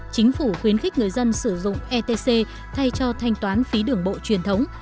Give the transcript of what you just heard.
chính phủ khuyến khích người dân sử dụng etc thay cho thanh toán phí đường bộ truyền thống